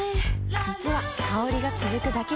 実は香りが続くだけじゃない